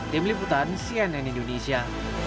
tim liputan cnn indonesia